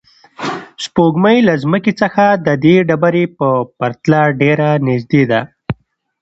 سپوږمۍ له ځمکې څخه د دې ډبرې په پرتله ډېره نږدې ده.